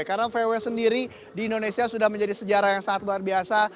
karena vw sendiri di indonesia sudah menjadi sejarah yang sangat luar biasa